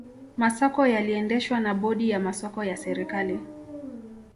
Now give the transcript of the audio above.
masoko yaliendeshwa na bodi ya masoko ya serikali